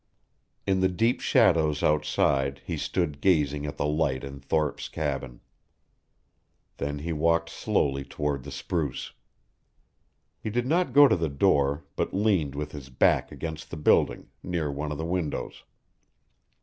In the deep shadows outside he stood gazing at the light in Thorpe's cabin. Then he walked slowly toward the spruce. He did not go to the door, but leaned with his back against the building, near one of the windows.